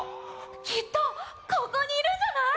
きっとここにいるんじゃない？